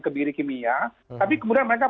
kebiri kimia tapi kemudian mereka